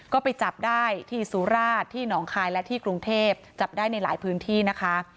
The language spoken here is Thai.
ก็ไปจับได้ที่สุราชที่หนองคายและที่กรุงเทพจับได้ในหลายพื้นที่นะคะ